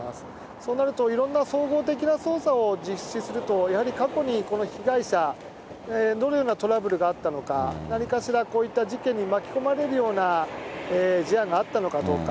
そうなると、いろんな総合的な捜査を実施すると、やはり過去にこの被害者、どのようなトラブルがあったのか、何かしらこういった事件に巻き込まれるような事案があったのかどうか。